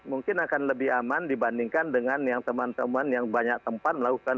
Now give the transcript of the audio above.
mungkin akan lebih aman dibandingkan dengan yang teman teman yang banyak tempat melakukan